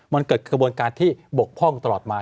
มันเกิดกระบวนการที่บกพร่องตลอดมา